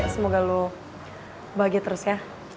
semoga lo bahagia terus ya